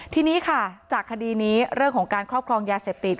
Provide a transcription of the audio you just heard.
ทีนี้ค่ะจากคดีนี้เรื่องของการครอบครองยาเสพติด